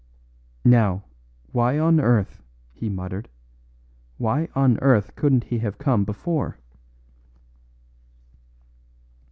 "Now, why on earth," he muttered, "why on earth couldn't he have come before?"